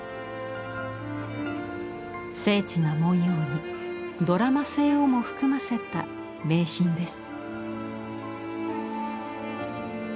精緻な文様にドラマ性をも含ませた名品です。